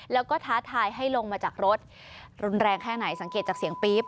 แล้วก็ท้าทายให้ลงมาจากรถรุนแรงแค่ไหนสังเกตจากเสียงปี๊บ